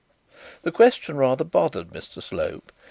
This question rather bothered Mr Slope.